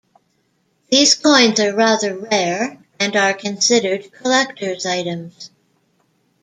These coins are rather rare, and are considered collectors' items.